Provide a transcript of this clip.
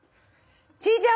チーちゃん